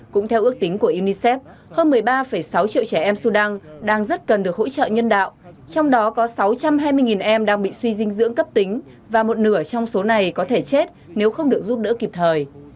cũng theo ước tính của unicef hơn một mươi ba sáu triệu trẻ em sudan đang rất cần được hỗ trợ nhân đạo trong đó có sáu trăm hai mươi em đang bị suy dinh dưỡng cấp tính và một nửa trong số này có thể chết nếu không được giúp đỡ kịp thời